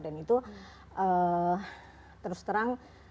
dan itu terus terang